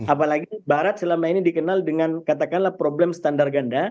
apalagi barat selama ini dikenal dengan katakanlah problem standar ganda